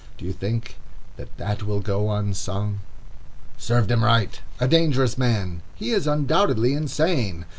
Do you think that that will go unsung? "Served him right"—"A dangerous man"—"He is undoubtedly insane."